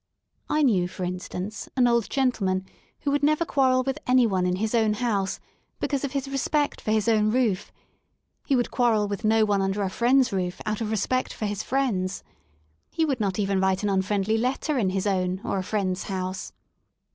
I knew, for instance, an old gentleman who would never quarrel with anyone in his own house, because of his respect for his own roof; he would quarrel with no one under a friend's roof out of respect for his friend's. He would not even write an unfriendly letter in his own or a friend's house.